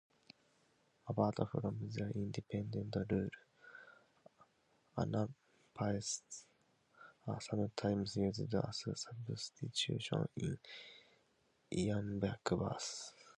Apart from their independent role, anapaests are sometimes used as substitutions in iambic verse.